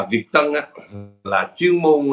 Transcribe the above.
việt tân á là chuyên môn